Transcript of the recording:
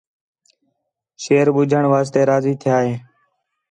شیر ٻُجّھݨ واسطے راضی تِھیا ہِے